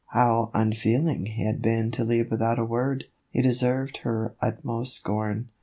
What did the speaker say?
How unfeeling he had been to leave without a word ! He deserved her utmost scorn.